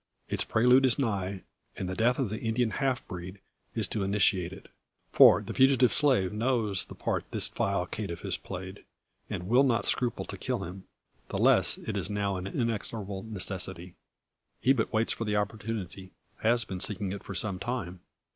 Its prelude is nigh, and the death of the Indian half breed is to initiate it. For the fugitive slave knows the part this vile caitiff has played, and will not scruple to kill him; the less that it is now an inexorable necessity. He but waits for the opportunity has been seeking it for some time.